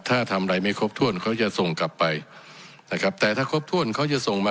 ถ้าทำอะไรไม่ครบถ้วนเขาจะส่งกลับไปนะครับแต่ถ้าครบถ้วนเขาจะส่งมา